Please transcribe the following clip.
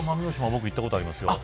僕、行ったことありますよ。